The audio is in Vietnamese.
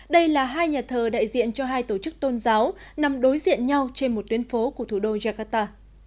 đây là hai nhà thờ đại diện cho hai tổ chức tôn giáo nằm đối diện nhau trên một tuyến phố của thủ đô jakarta